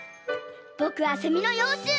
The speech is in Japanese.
ぼくはセミのようちゅう。